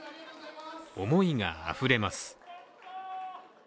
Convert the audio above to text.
思いがあふれます。